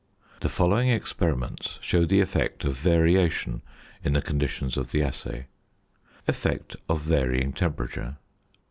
The following experiments show the effect of variation in the conditions of the assay: ~Effect of Varying Temperature.